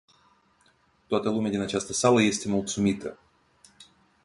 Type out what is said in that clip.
Toată lumea din această sală este mulțumită.